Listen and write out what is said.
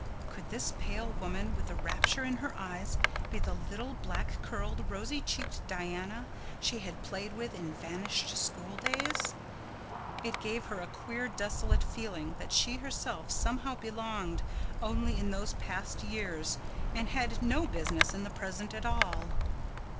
Could this pale woman with the rapture in her eyes be the little black curled, rosy cheeked Diana she had played with in vanished schooldays? It gave her a queer desolate feeling that she herself somehow belonged only in those past years and had no business in the present at all.